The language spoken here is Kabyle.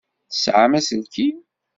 Tesεamt aselkim?